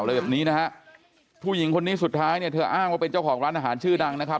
อะไรแบบนี้นะฮะผู้หญิงคนนี้สุดท้ายเนี่ยเธออ้างว่าเป็นเจ้าของร้านอาหารชื่อดังนะครับ